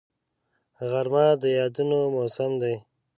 غرمه د یادونو موسم دی